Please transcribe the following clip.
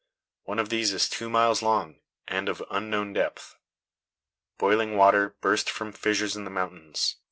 One of these is two miles long and of unknown depth. Boiling water burst from fissures in the mountains.